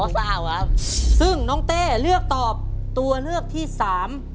ซึ่งน้องเต้เลือกตอบตัวเลือกที่สาม